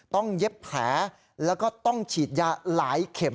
เย็บแผลแล้วก็ต้องฉีดยาหลายเข็ม